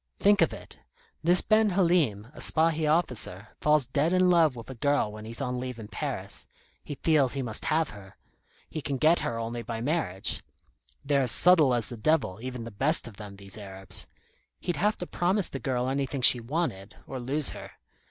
Think of it. This Ben Halim, a Spahi officer, falls dead in love with a girl when he's on leave in Paris. He feels he must have her. He can get her only by marriage. They're as subtle as the devil, even the best of them, these Arabs. He'd have to promise the girl anything she wanted, or lose her.